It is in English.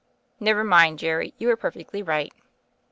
"Never mind, Jerry; you were perfectly right.